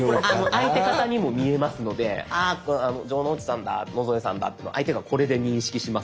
相手方にも見えますので城之内さんだ野添さんだって相手がこれで認識しますので。